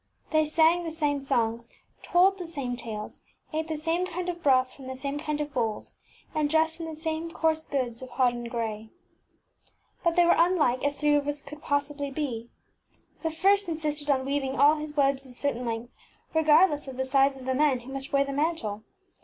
They sang the same songs, told the same tales, ate the same kind of broth from the same kind of bowls, and dressed in the same coarse goods of hodden gray. But they were unlike as three weavers could possibly be. The first insisted on weaving all his webs a certain length, regardless of the size of the man who must wear the mantle.